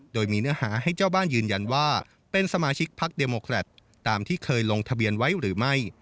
โดยมีเนื้อหาให้เจ้าบ้านยืนยันว่าเป็นสมาชิกพักเดโมแครตตามที่เคยลงทะเบียนไว้หรือไม่